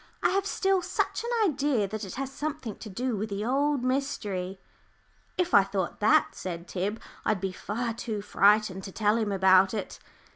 I have still such an idea that it has something to do with the old mystery." "If I thought that," said Tib, "I'd be far too frightened to tell him about it."